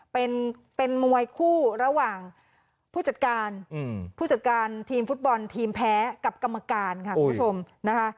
เป็นมวยคู่ระหว่างผู้จัดการผู้จัดการทีมฟุตบอลทีมแพ้กับกรรมการค่ะคุณผู้ชมนะคะ